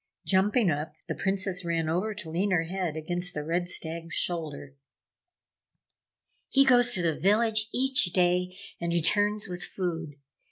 Jumping up, the Princess ran over to lean her head against the Red Stag's shoulder. "He goes to the village each day and returns with food.